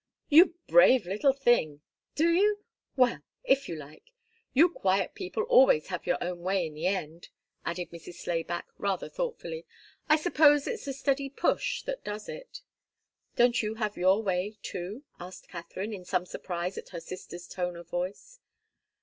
"You brave little thing! Do you? Well if you like. You quiet people always have your own way in the end," added Mrs. Slayback, rather thoughtfully. "I suppose it's the steady push that does it." "Don't you have your way, too?" asked Katharine, in some surprise at her sister's tone of voice.